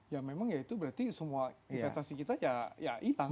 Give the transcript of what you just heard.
ya memang ya itu berarti semua investasi kita ya hilang